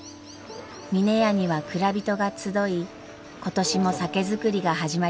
峰屋には蔵人が集い今年も酒造りが始まります。